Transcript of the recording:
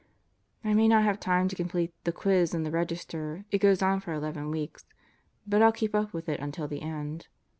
I may not have time to complete the "Quiz" in the Register. It goes on for 11 weeks. But 111 keep up with it until the end.